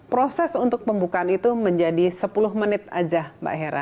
proses untuk pembukaan itu menjadi sepuluh menit aja mbak hera